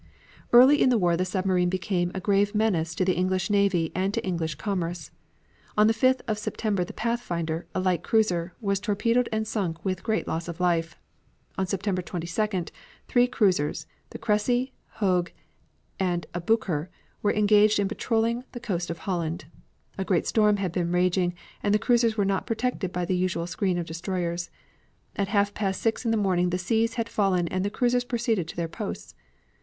Early in the war the submarine became a grave menace to the English navy and to English commerce. On the 5th of September the Pathfinder, a light cruiser, was torpedoed and sunk with great loss of life. On September 22d, three cruisers, the Cressy, Hogue, and Aboukir were engaged in patrolling the coast of Holland. A great storm had been raging and the cruisers were not protected by the usual screen of destroyers. At half past six in the morning the seas had fallen and the cruisers proceeded to their posts.